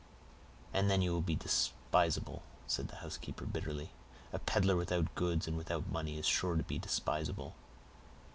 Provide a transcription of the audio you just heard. "And then you will be despisable," said the housekeeper bitterly. "A peddler without goods and without money is sure to be despisable."